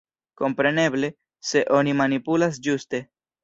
Kompreneble, se oni manipulas ĝuste.